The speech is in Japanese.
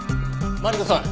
マリコさん